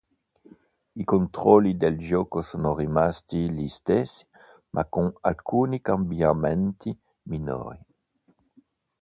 I controlli di gioco sono rimasti gli stessi ma con alcuni cambiamenti minori.